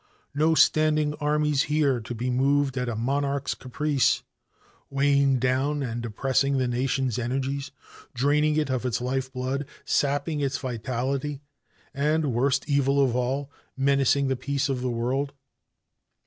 No standing armies here to be moved at a monarch's caprice, weighing down and oppressing the nation's energies, draining it of its life blood, sapping its vitality, and, worst evil of all, menacing the peace of the world.